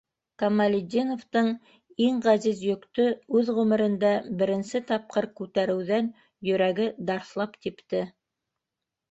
Камалетдиновтың иң ғәзиз йөктө үҙ ғүмерендә беренсе тапҡыр күтәреүҙән йөрәге дарҫлап типте.